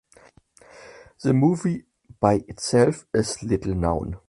The movie by itself is little known.